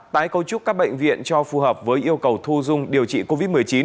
tái cấu trúc các bệnh viện cho phù hợp với yêu cầu thu dung điều trị covid một mươi chín